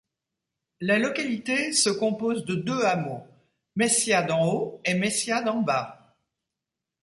La localité se compose de deux hameaux, Maissiat d'en haut et Maissiat d'en bas.